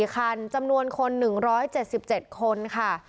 ๔คันจำนวนคน๑๗๗คนค่ะ